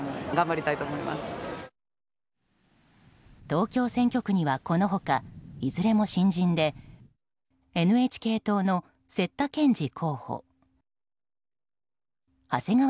東京選挙区にはこの他いずれも新人でＮＨＫ党の説田